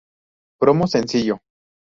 Promo sencillo